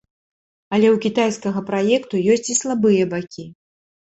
Але ў кітайскага праекту ёсць і слабыя бакі.